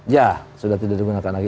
ya sudah tidak digunakan lagi